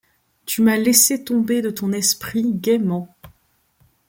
Tu m'as laissé tomber de ton esprit gaîment